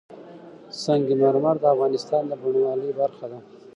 سنگ مرمر د افغانستان د بڼوالۍ برخه ده.